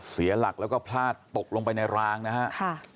เสียหลักแล้วก็พลาดตกลงไปในรางนะฮะ